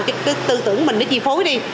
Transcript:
cái tư tưởng mình nó chi phối đi